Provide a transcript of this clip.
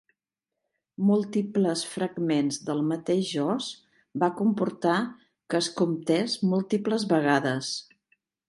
Múltiples fragments del mateix os va comportar que es comptés múltiples vegades.